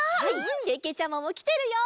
けけちゃまもきてるよ！